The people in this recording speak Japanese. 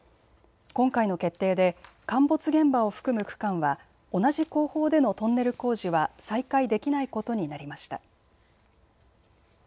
今回の決定で陥没現場を含む区間は同じ工法でのトンネル工事は、再開できないことになりました。